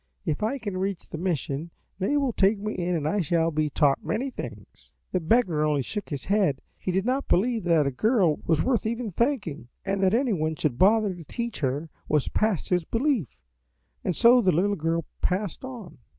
If I can reach the mission they will take me in and I shall be taught many things.' "The beggar only shook his head; he did not believe that a girl was worth even thanking, and that anyone should bother to teach her was past his belief, and so the little girl passed on.